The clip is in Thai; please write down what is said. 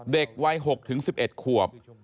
เด็กวัย๖๑๑ขวบ